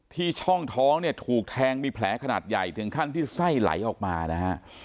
ช่องท้องเนี่ยถูกแทงมีแผลขนาดใหญ่ถึงขั้นที่ไส้ไหลออกมานะฮะ